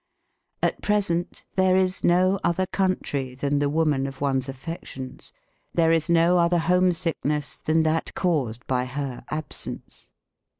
At present there is no other country than the woman of one's affections; there is no other home sickness than that caused by her absence.